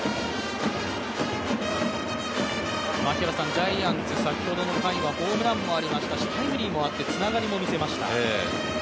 ジャイアンツ、先ほどの回はホームランもありましたしタイムリーもあってつながりも見せました。